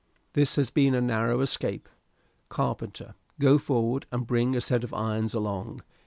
"This has been a narrow escape. Carpenter, go forward and bring a set of irons along.